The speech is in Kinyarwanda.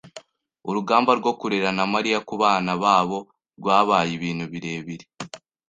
Urugamba rwo kurera na Mariya kubana babo rwabaye ibintu birebire.